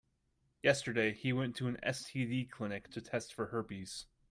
Yesterday, he went to an STD clinic to test for herpes.